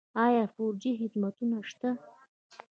آیا فور جي خدمتونه شته؟